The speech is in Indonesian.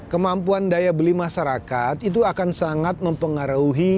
kemampuan daya beli masyarakat itu akan sangat mempengaruhi